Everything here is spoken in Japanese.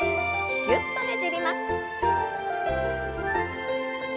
ぎゅっとねじります。